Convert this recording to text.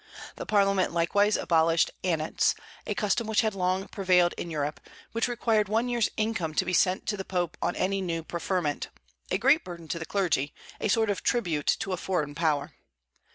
The Parliament likewise abolished annats, a custom which had long prevailed in Europe, which required one year's income to be sent to the Pope on any new preferment; a great burden to the clergy; a sort of tribute to a foreign power.